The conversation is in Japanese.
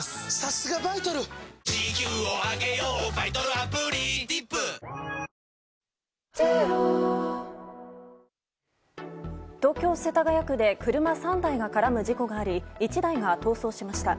「アサヒザ・リッチ」新発売東京・世田谷区で車３台が絡む事故があり１台が逃走しました。